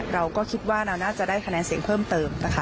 เราก็คิดว่าเราน่าจะได้คะแนนเสียงเพิ่มเติมนะคะ